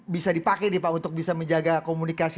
bisa dipakai untuk menjaga komunikasi